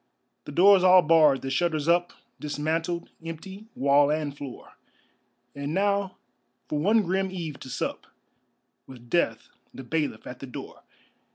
The doors all barred, the shutters up, Dismantled, empty, wall and floor, And now for one grim eve to sup With death the bailiff at the door.